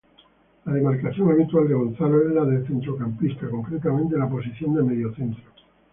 La demarcación habitual de Gonzalo es la de centrocampista, concretamente la posición de mediocentro.